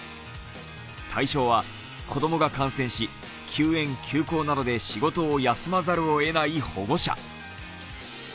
対象は子供が感染し休園・休校などで仕事を休まざるえない保護者。